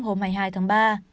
hôm hai mươi hai tháng ba